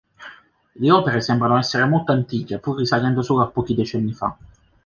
Le opere sembrano essere molto antiche pur risalendo solo a pochi decenni fa.